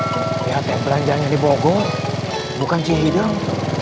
lihat yang belanjaannya ini bogor bukan cih hidung